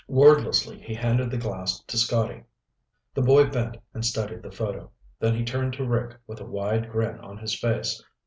Wordlessly he handed the glass to Scotty. The boy bent and studied the photo, then he turned to Rick with a wide grin on his face.